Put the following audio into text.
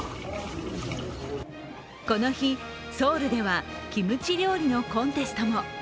この日、ソウルではキムチ料理のコンテストも。